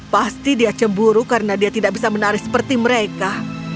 pasti dia cemburu karena dia tidak bisa menari seperti mereka